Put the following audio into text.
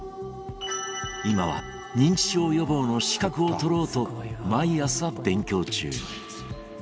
今は認知症予防の資格を取ろうと毎朝、勉強中。